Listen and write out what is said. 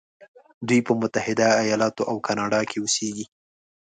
دوی په متحده ایلاتو او کانادا کې اوسیږي.